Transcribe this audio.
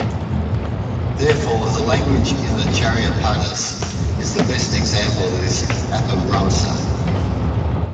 Therefore the language in the Charyapadas is the best example of this apabhramsa.